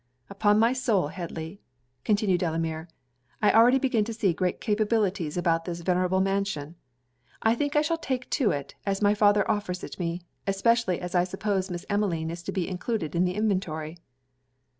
'Upon my soul, Headly,' continued Delamere, 'I already begin to see great capabilities about this venerable mansion. I think I shall take to it, as my father offers it me; especially as I suppose Miss Emmeline is to be included in the inventory.'